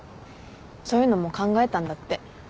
そういうのも考えたんだって。